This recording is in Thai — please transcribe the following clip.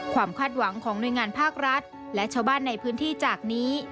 คาดหวังของหน่วยงานภาครัฐและชาวบ้านในพื้นที่จากนี้